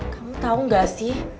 kamu tau gak sih